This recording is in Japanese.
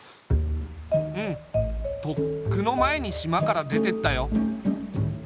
うんとっくの前に島から出てったよ。